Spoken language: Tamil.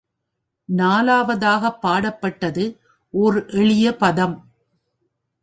நாலாவதாகப் பாடப்பட்டது ஓர் எளிய பதம்.